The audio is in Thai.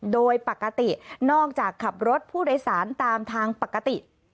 โดยปกตินอกจากขับรถผู้โดยสารตามทางปกติ